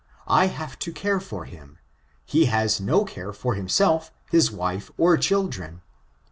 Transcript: I hare to care for him; he has no care for hin^elf, his wife, or children.